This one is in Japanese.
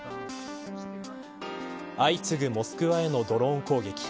相次ぐモスクワへのドローン攻撃。